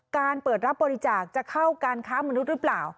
การเปิดรับบริจาคจะเข้าการค้ามนุษย์หรือเปล่า